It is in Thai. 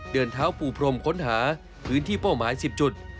เดินเท้าปูพรมค้นหาพื้นที่เป้าหมาย๑๐จุด